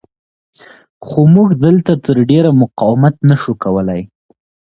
خو موږ دلته تر ډېره مقاومت نه شو کولی.